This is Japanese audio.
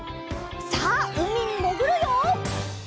さあうみにもぐるよ！